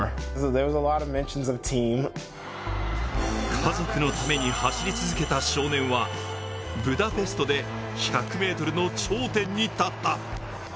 家族のために走り続けた少年はブダペストで１００ｍの頂点に立った。